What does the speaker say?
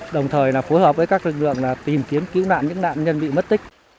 đồng thời phối hợp với các lực lượng tìm kiếm cứu nạn những nạn nhân bị mất tích